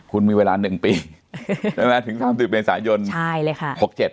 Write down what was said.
คุณมีเวลา๑ปีถึง๓๐เมษายน๖๗ใช่ไหมค่ะ